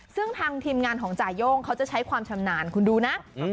ซึ่งทางทีมงานของจ่าย่งเขาจะใช้ความชำนาญคุณดูนะ